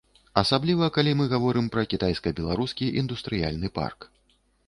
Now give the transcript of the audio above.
Асабліва калі мы гаворым пра кітайска-беларускі індустрыяльны парк.